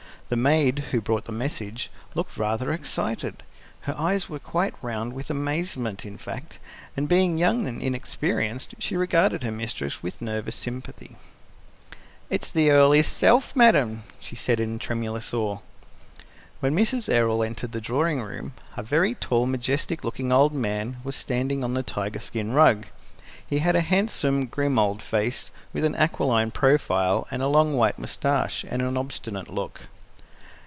The maid, who brought the message, looked rather excited; her eyes were quite round with amazement, in fact, and being young and inexperienced, she regarded her mistress with nervous sympathy. "It's the Earl hisself, ma'am!" she said in tremulous awe. When Mrs. Errol entered the drawing room, a very tall, majestic looking old man was standing on the tiger skin rug. He had a handsome, grim old face, with an aquiline profile, a long white mustache, and an obstinate look.